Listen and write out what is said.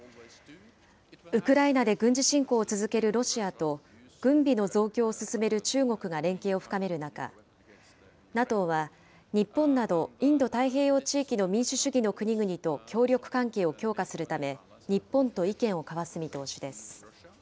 ウクライナで軍事侵攻を続けるロシアと、軍備の増強を進める中国が連携を深める中、ＮＡＴＯは日本などインド太平洋地域の民主主義の国々と協力関係を強化するため、日本と意見を交わす見通しです。